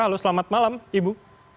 halo selamat malam ibu